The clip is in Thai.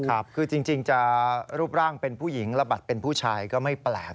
คือจริงจะรูปร่างเป็นผู้หญิงระบัดเป็นผู้ชายก็ไม่แปลก